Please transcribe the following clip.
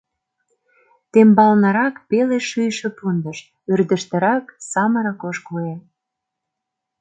Тембалнырак пеле шӱйшӧ пундыш, ӧрдыжтырак — самырык ош куэ.